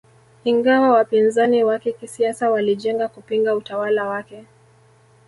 Ingawa wapinzani wake kisiasa walijenga kupinga utawala wake